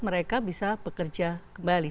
mereka bisa bekerja kembali